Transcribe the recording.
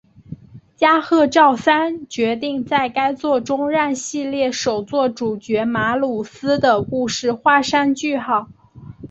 加贺昭三决定在该作中让系列首作主角马鲁斯的故事画上句号。